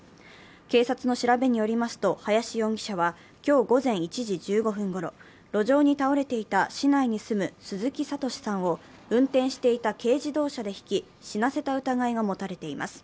警察の調べによりますと林容疑者は今日午前１時１５分ごろ、路上に倒れていた市内に住む鈴木智さんを運転していた軽自動車でひき、死なせた疑いが持たれています。